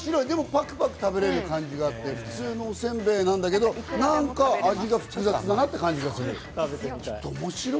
パクパク食べられる感じがあって、普通のおせんべいだけど味が複雑だなって感じがする。